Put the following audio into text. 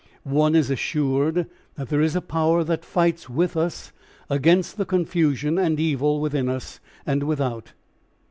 One is assured that there is a Power that fights with us against the confusion and evil within us and without.